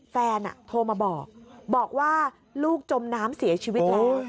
แฟนโทรมาบอกบอกว่าลูกจมน้ำเสียชีวิตแล้ว